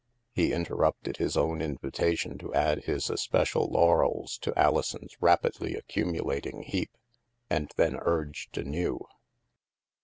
He interrupted his own invitation to add his es pecial laurels to Alison's rapidly accumulating heap, and then urged anew.